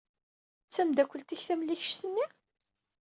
D tameddakelt-ik tamlikect-nni?